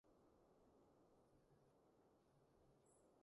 不依不饒